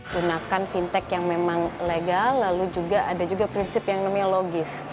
gunakan fintech yang memang legal lalu juga ada juga prinsip yang namanya logis